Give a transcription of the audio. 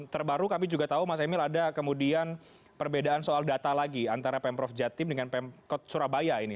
terbaru kami juga tahu mas emil ada kemudian perbedaan soal data lagi antara pemprov jatim dengan pemkot surabaya ini